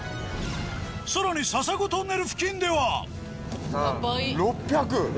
さらに笹子トンネル付近では３４。